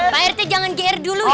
pak rete jangan gear dulu ya